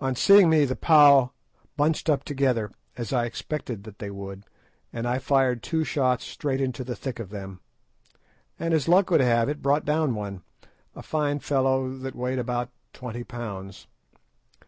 On seeing me the pauw bunched up together, as I expected that they would, and I fired two shots straight into the thick of them, and, as luck would have it, brought one down, a fine fellow, that weighed about twenty pounds.